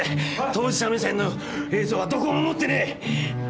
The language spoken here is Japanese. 当事者目線の映像はどこも持ってねえ